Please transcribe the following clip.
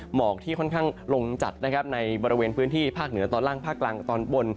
หมอกที่ค่อนข้างลงจัดนะครับในบริเวณพื้นที่ภาคเหนือตอนล่างภาคกลางตอนบน